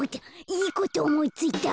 いいことおもいついた。